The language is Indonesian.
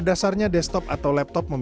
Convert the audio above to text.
dua duanya alasan penting deserved